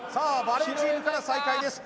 バレーチームから再開です